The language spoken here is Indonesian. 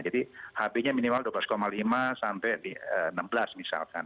jadi hp nya minimal dua belas lima sampai enam belas misalkan